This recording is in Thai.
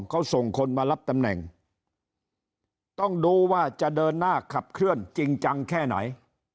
เขาส่งคนมารับตำแหน่งต้องดูว่าจะเดินหน้าขับเคลื่อนจริงจังแค่ไหน